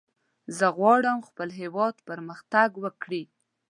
زه غواړم خپل هېواد پرمختګ وکړي.